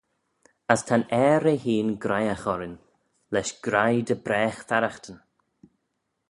As ta'n Ayr eh hene graihagh orrin, lesh graih dy braagh farraghtyn.